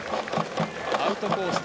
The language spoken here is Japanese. アウトコース